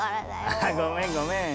あっごめんごめん。